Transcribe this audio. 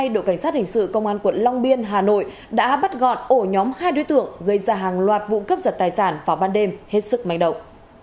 đội cảnh sát hình sự công an quận long biên hà nội đã bắt gọn ổ nhóm hai đối tượng gây ra hàng loạt vụ cướp giật tài sản vào ban đêm hết sức manh động